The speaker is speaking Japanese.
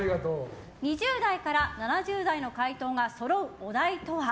２０代から７０代の回答がそろうお題とは。